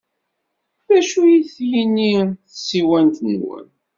D acu-t yini n tsiwant-nwen?